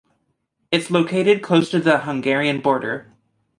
It's located close to the Hungarian border.